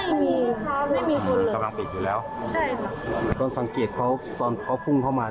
ไม่มีค่ะไม่มีคนกำลังปิดอยู่แล้วใช่ค่ะตอนสังเกตเขาตอนเขาพุ่งเข้ามา